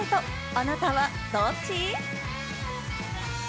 あなたはどっち？